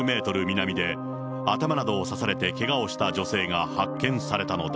南で頭などを刺されてけがをした女性が発見されたのだ。